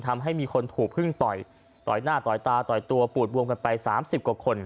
ทำให้มีคนถูกพึ่งต่อยต่อยหน้าต่อยตาต่อยตัวปูดบวมกันไป๓๐กว่าคน